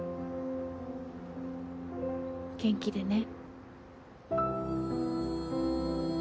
元気でね。